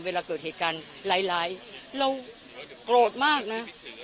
เวลาเกิดเหตุการณ์ร้ายเราโกรธมากนะ